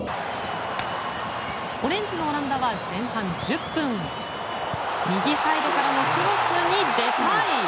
オレンジのオランダは前半１０分右サイドからのクロスにデパイ！